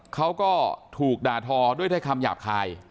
เขาก็ถูกด่าทอด้วยคำหยาบคาย